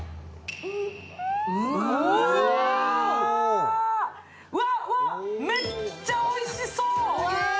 ふわふわ、めっちゃおいしそう！